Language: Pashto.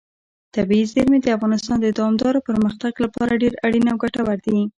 طبیعي زیرمې د افغانستان د دوامداره پرمختګ لپاره ډېر اړین او ګټور دي.